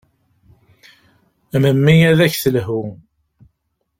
Memmi ad ak-telhu.